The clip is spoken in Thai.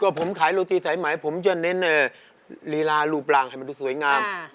ผมขายโรตีสายไหมผมจะเน้นลีลารูปร่างให้มันดูสวยงาม